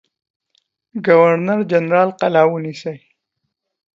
ګورنر جنرال قلا ونیسي.